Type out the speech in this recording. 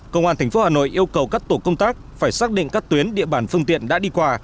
công an tp hà nội yêu cầu các tổ công tác phải xác định các tuyến địa bàn phương tiện đã đi qua